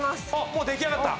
もう出来上がった？